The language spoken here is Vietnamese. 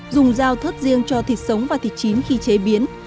dùng dao thớt riêng cho thịt sống và thịt chín khi chế biến